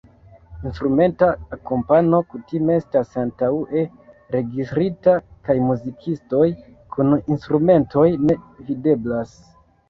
Instrumenta akompano kutime estas antaŭe registrita kaj muzikistoj kun instrumentoj ne videblas.